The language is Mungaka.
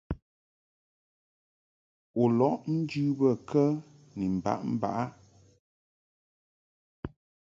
U lɔʼ njɨ bə kə ni mbaʼmbaʼ ?